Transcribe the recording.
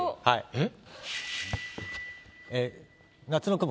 えっ？